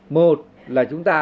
một là chúng ta